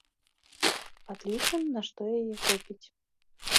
Падлічым, на што яе хопіць.